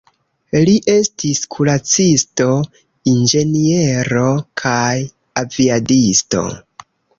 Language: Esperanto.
Li estis kuracisto, inĝeniero kaj aviadisto.